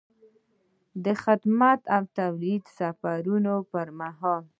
د خدمتي او تبدیلي سفرونو پر مهال.